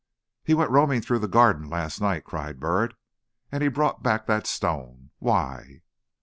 "He went roaming through the garden last night," cried Burritt, "and he brought back that stone. Why?"